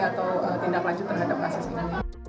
atau tindak lanjut terhadap kasus ini